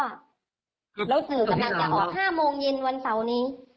แล้วสื่อกำลังจะออก๕โมงเย็นวันเสาร์นี้